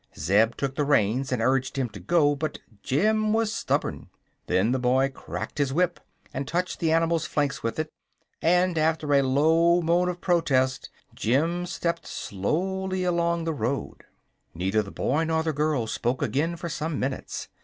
Zeb shook the reins and urged him to go, but Jim was stubborn. Then the boy cracked his whip and touched the animal's flanks with it, and after a low moan of protest Jim stepped slowly along the road. Neither the boy nor the girl spoke again for some minutes.